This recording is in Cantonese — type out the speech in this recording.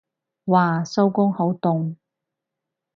嘩收工好凍